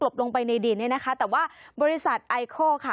ลงไปในดินเนี่ยนะคะแต่ว่าบริษัทไอโคลค่ะ